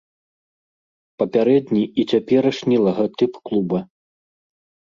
Папярэдні і цяперашні лагатып клуба.